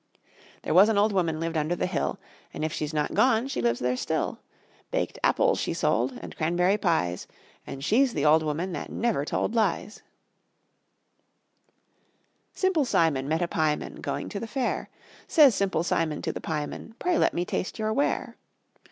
There was an old woman lived under the hill, And if she's not gone she lives there still. Baked apples she sold, and cranberry pies, And she's the old woman that never told lies. Simple Simon met a pieman Going to the fair; Says Simple Simon to the pieman: "Pray let me taste your ware."